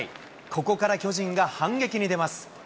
ここから巨人が反撃に出ます。